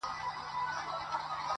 وي لكه ستوري هره شــپـه را روان.